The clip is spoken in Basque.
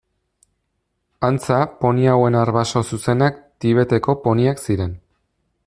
Antza poni hauen arbaso zuzenak Tibeteko poniak ziren.